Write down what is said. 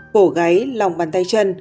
bổ gáy lòng bàn tay chân